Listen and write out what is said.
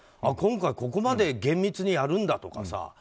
今回、ここまで厳密にやるんだとかさ。